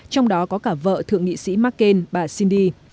trong đó có cả vợ thượng nghị sĩ mccain bà cindy